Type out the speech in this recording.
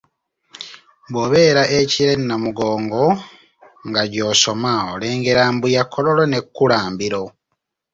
"Bw’obeera e Kira e Namugongo nga gy’osoma, olengera Mbuya, Kololo ne Kkulambiro."